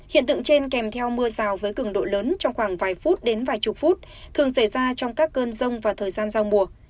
hiện tượng trên kèm theo mưa rào với cứng độ lớn trong khoảng vài phút đến vài chục phút thường xảy ra trong các cơn rông và thời gian giao mùa